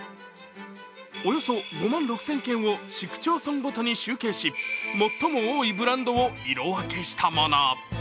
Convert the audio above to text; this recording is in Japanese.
およそ５万６０００件を市区町村ごとに集計し最も多いブランドを色分けしたもの。